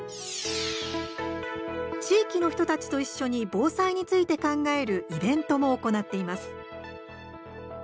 地域の人たちと一緒に防災について考えるイベントも行っています。